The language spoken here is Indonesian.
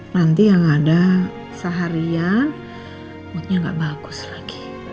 nanti yang ada seharian moodnya nggak bagus lagi